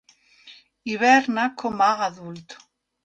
Hiberna com a adult.